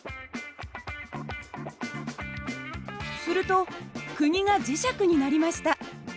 すると釘が磁石になりました。